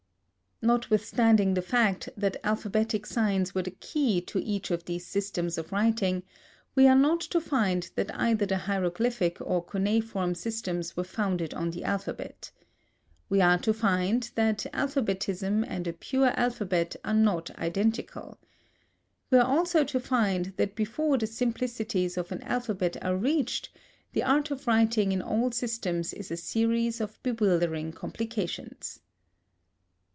Notwithstanding the fact that alphabetic signs were the key to each of these systems of writing, we are not to find that either the hieroglyphic or cuneiform systems were founded on the alphabet. We are to find that alphabetism and a pure alphabet are not identical. We are also to find that before the simplicities of an alphabet are reached; the art of writing in all systems is a series of bewildering complications.